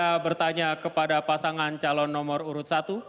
saya bertanya kepada pasangan calon nomor urut satu